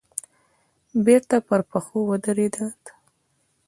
بېرته پر پښو ودرېد.